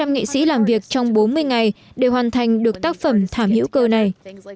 một trăm linh nghệ sĩ làm việc trong bốn mươi ngày để hoàn thành được tác phẩm thảm hữu cơ này